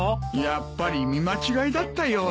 やっぱり見間違いだったようだ。